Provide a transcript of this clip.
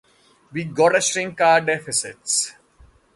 We gotta shrink our deficits.